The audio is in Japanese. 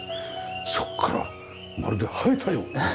そこからまるで生えたよう。